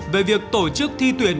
về việc tổ chức thi tuyển